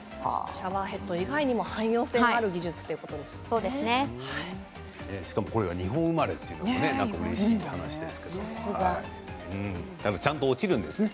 シャワーヘッド以外にも汎用性のある技術しかもこれが日本生まれというのは、うれしい話ですけどちゃんと落ちるんですね